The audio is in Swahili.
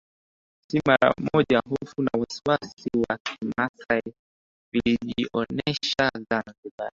Si mara moja hofu na wasiwasi wa kimaasi vilijionesha Zanzibar